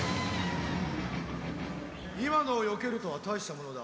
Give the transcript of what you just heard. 今のを避けるとは大したものだ。